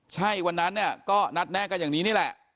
ใช่วันนั้นเนี่ยก็นัดแน่กันอย่างนี้นี่แหละ